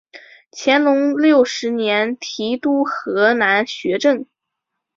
乾隆六十年提督河南学政。